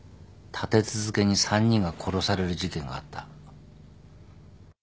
立て続けに３人が殺される事件があった。